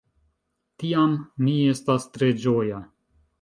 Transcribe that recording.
Tiam mi estas tre ĝoja.